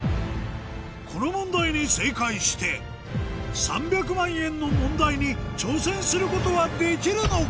この問題に正解して３００万円の問題に挑戦することはできるのか？